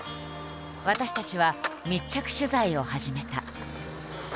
私たちは密着取材を始めた。